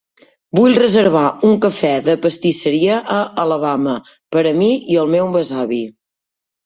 Vull reservar un cafè de pastisseria a Alabama per a mi i el meu besavi.